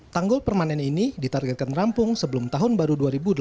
tanggul permanen ini ditargetkan rampung sebelum tahun baru dua ribu delapan belas